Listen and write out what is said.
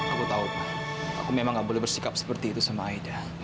aku tahu pak aku memang gak boleh bersikap seperti itu sama aida